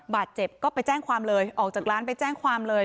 บาดเจ็บก็ไปแจ้งความเลยออกจากร้านไปแจ้งความเลย